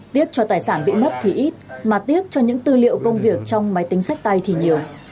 tiếc cho tài sản bị mất thì ít mà tiếc cho những tư liệu công việc trong máy tính sách tay thì nhiều